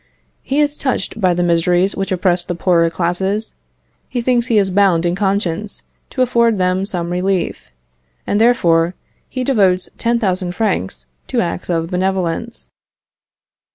He is touched by the miseries which oppress the poorer classes; he thinks he is bound in conscience to afford them some relief, and therefore he devotes 10,000 francs to acts of benevolence.